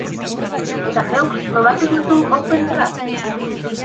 Eta zeuk, probatu duzu OpenTrad?